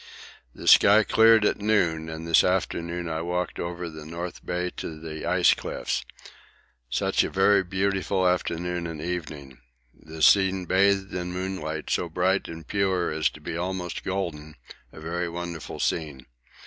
The sky cleared at noon, and this afternoon I walked over the North Bay to the ice cliffs such a very beautiful afternoon and evening the scene bathed in moonlight, so bright and pure as to be almost golden, a very wonderful scene.